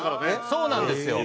そうなんですよ。